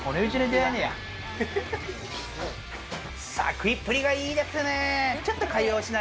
食いっぷりがいいですね。